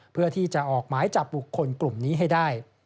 เพื่อที่จะออกหมายจับบุคคลกลุ่มนี้ให้ได้